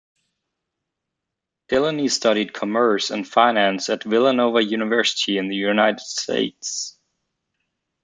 Delany studied commerce and finance at Villanova University in the United States.